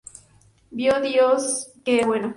Vió Dios que era bueno.